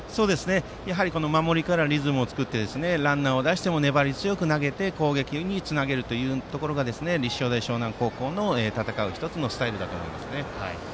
やはり守りからリズムを作りランナーを出しても粘り強く投げて攻撃につなげるというところが立正大淞南高校の戦いのスタイルだと思います。